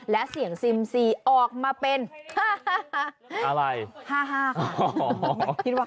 และเสียงซิมซีออกมาเป็นอะไรขับ